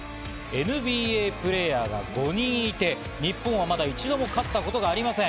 ＮＢＡプレーヤーが５人いて、日本は、まだ一度も勝ったことがありません。